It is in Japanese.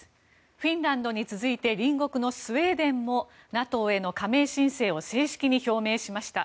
フィンランドに続いて隣国のスウェーデンもＮＡＴＯへの加盟申請を正式に表明しました。